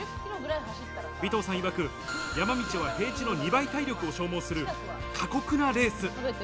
尾藤さんいわく、山道は平地の２倍体力を消耗する過酷なレース。